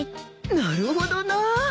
なるほどなぁ。